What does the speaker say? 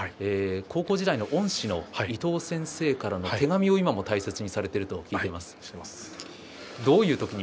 高校時代の恩師の伊藤先生からの手紙を今も大切にされていると聞いています。